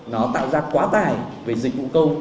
nó tạo ra quá tài về dịch vụ công